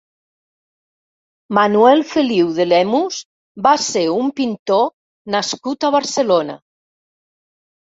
Manuel Feliu de Lemus va ser un pintor nascut a Barcelona.